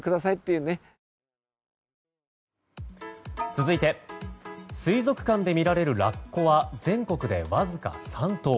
続いて水族館で見られるラッコは全国で、わずか３頭。